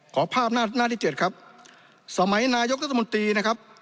ขอภาพหน้าที่เจ็ดครับสมัยนายกรัฐมนตรีนะครับ